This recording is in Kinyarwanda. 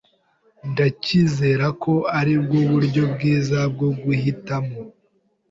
Ndacyizera ko aribwo buryo bwiza bwo guhitamo.